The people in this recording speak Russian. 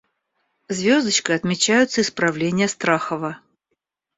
Звездочкой отмечаются исправления Страхова.